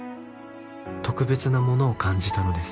「特別なものを感じたのです」